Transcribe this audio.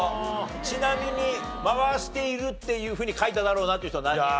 ちなみに回しているっていうふうに書いただろうなっていう人は何人ぐらい？